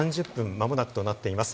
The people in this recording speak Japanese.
間もなくとなっています。